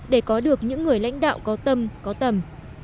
để có được những người lãnh đạo có tâm có tầm